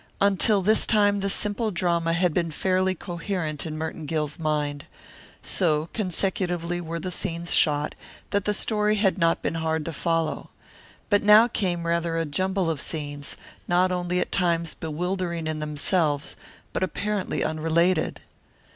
Until this time the simple drama had been fairly coherent in Merton Gill's mind. So consecutively were the scenes shot that the story had not been hard to follow. But now came rather a jumble of scenes, not only at times bewildering in themselves, but apparently unrelated.